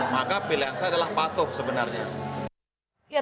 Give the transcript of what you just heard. maka pilihan saya adalah patuh sebenarnya